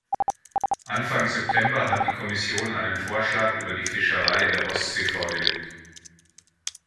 Anfang September hat die Kommission einen Vorschlag über die Fischerei in der Ostsee vorgelegt.